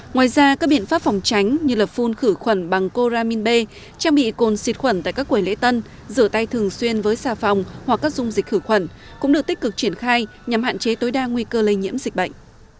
ngoài ra các biện pháp phòng tránh như lập phun khử khuẩn bằng coramin b trang bị cồn xịt khuẩn tại các quầy lễ tân rửa tay thường xuyên với xà phòng hoặc các dung dịch khử khuẩn cũng được tích cực triển khai nhằm hạn chế tối đa nguy cơ lây nhiễm dịch bệnh